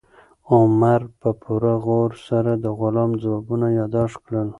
عمر په پوره غور سره د غلام ځوابونه یاداښت کړل.